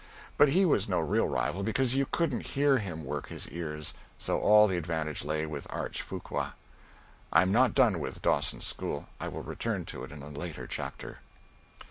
But he was no real rival, because you couldn't hear him work his ears; so all the advantage lay with Arch Fuqua. I am not done with Dawson's school; I will return to it in a later chapter.